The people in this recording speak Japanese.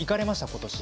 今年。